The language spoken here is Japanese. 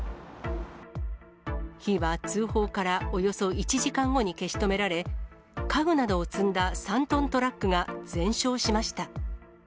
火は通報からおよそ１時間後に消し止められ、家具などを積んだ３トントラックが全焼しました。